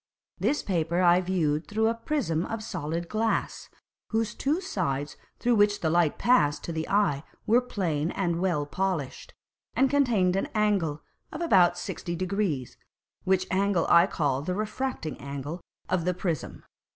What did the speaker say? This Paper I view'd through a Prism of solid Glass, whose two Sides through which the Light passed to the Eye were plane and well polished, and contained an Angle of about sixty degrees; which Angle I call the refracting Angle of the Prism.